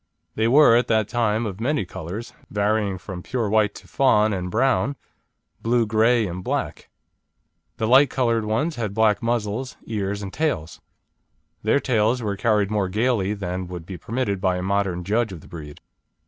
They were at that time of many colours, varying from pure white to fawn and brown, blue grey and black. The lighter coloured ones had black muzzles, ears, and tails. Their tails were carried more gaily than would be permitted by a modern judge of the breed.